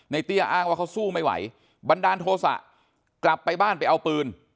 เตี้ยอ้างว่าเขาสู้ไม่ไหวบันดาลโทษะกลับไปบ้านไปเอาปืน